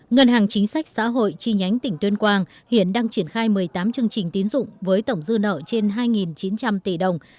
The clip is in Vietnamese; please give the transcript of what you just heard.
ngân hàng chính sách xã hội chi nhánh tỉnh tuyên quang hiện đang triển khai một mươi tám chương trình tín dụng với tổng dư nợ trên hai chín trăm linh tỷ đồng